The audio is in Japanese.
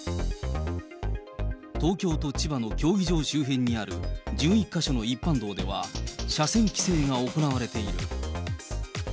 東京と千葉の競技場周辺にある１１か所の一般道では、車線規制が行われている。